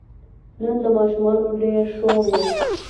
نن د ماشومانو ډېر شور و.